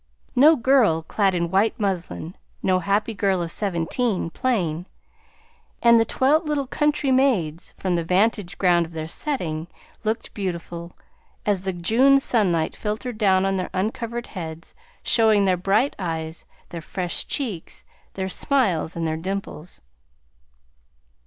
No girl clad in white muslin, no happy girl of seventeen, is plain; and the twelve little country maids, from the vantage ground of their setting, looked beautiful, as the June sunlight filtered down on their uncovered heads, showing their bright eyes, their fresh cheeks, their smiles, and their dimples.